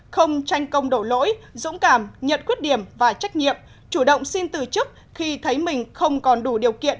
không tranh công đổ lỗi dũng cảm nhận khuyết điểm và trách nhiệm chủ động xin từ chức khi thấy mình không còn đủ điều kiện